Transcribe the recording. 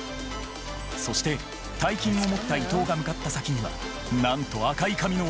そして大金を持った伊藤が向かった先にはなんと赤い髪の男